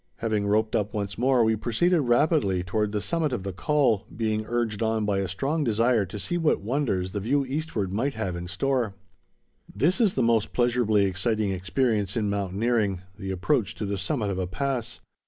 Having roped up once more, we proceeded rapidly toward the summit of the col, being urged on by a strong desire to see what wonders the view eastward might have in store. This is the most pleasurably exciting experience in mountaineering—the approach to the summit of a pass.